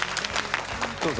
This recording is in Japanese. どうぞ。